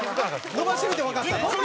伸ばしてみてわかったの？